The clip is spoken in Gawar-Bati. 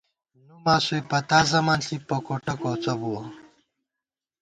نُوماسوئے پتا زَمَن ݪِی پوکوٹہ کوڅہ بُوَہ